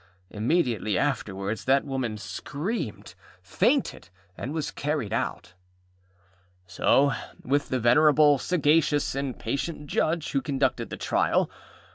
Immediately afterwards that woman screamed, fainted, and was carried out. So with the venerable, sagacious, and patient Judge who conducted the trial.